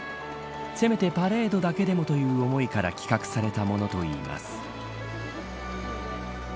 せめてパレードだけでもという思いから企画されたものだといいます。